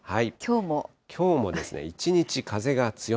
きょうも一日風が強め。